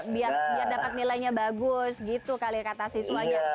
biar dapat nilainya bagus gitu kali kata siswanya